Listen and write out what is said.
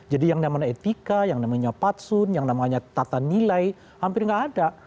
jadi yang namanya etika yang namanya patsun yang namanya tata nilai hampir enggak ada